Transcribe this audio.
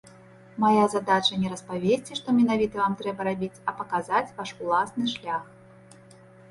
Мая задача не распавесці, што менавіта вам трэба рабіць, а паказаць ваш уласны шлях.